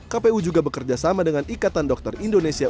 kpu juga bekerja sama dengan ikatan dokter indonesia